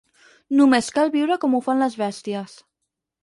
Només cal veure com ho fan les bèsties.